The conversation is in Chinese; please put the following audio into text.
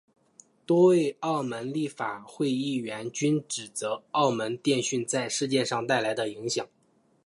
多位澳门立法会议员均指责澳门电讯在事件上带来的影响。